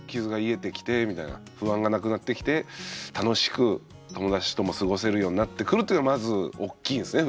不安がなくなってきて楽しく友達とも過ごせるようになってくるというのまず大きいんすね